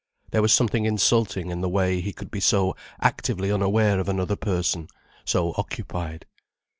There was something insulting in the way he could be so actively unaware of another person, so occupied.